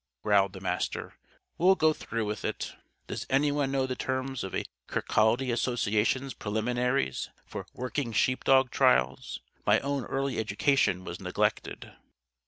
growled the Master. "We'll go through with it. Does anyone know the terms of a 'Kirkaldie Association's Preliminaries,' for 'Working Sheepdog Trials?' My own early education was neglected."